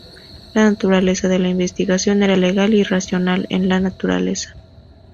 La naturaleza de la investigación era legal y racional en la naturaleza.